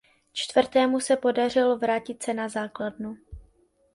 Čtvrtému se podařilo vrátit se na základnu.